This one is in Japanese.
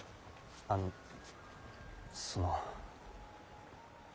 あのその。